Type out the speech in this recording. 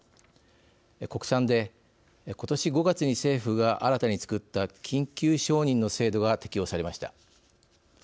国産で今年５月に政府が新たに作った緊急承認の制度が適用されました。